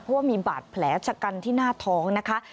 เพราะว่ามีบาดแผลชะกันที่หน้าท้องนะคะ